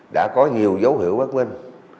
đã có nhiều dấu hiệu bác minh